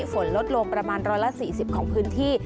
ฝนลดลงประมาณ๑๔๐ของพื้นที่